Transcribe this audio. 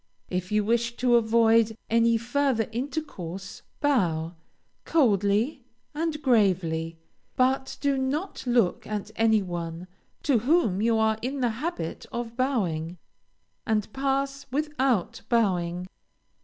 If you wish to avoid any further intercourse bow, coldly and gravely, but do not look at any one, to whom you are in the habit of bowing, and pass without bowing.